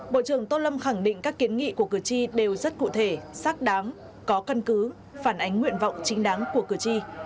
bộ trưởng tô lâm khẳng định các kiến nghị của cử tri đều rất cụ thể xác đáng có căn cứ phản ánh nguyện vọng chính đáng của cử tri